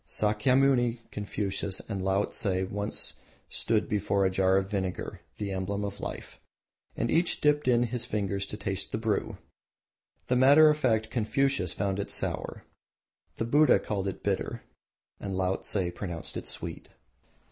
Sakyamuni, Confucius, and Laotse once stood before a jar of vinegar the emblem of life and each dipped in his finger to taste the brew. The matter of fact Confucius found it sour, the Buddha called it bitter, and Laotse pronounced it sweet.